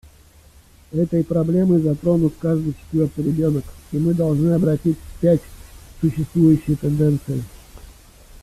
Этой проблемой затронут каждый четвертый ребенок, и мы должны обратить вспять существующие тенденции.